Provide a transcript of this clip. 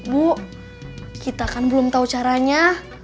bu kita kan belum tahu caranya